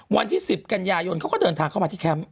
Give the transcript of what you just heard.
วันที่๑๐กันยายนเขาก็เดินทางเข้ามาที่แคมป์